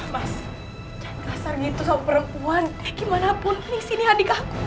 mas jangan kasar gitu sama perempuan gimanapun ini sini adik aku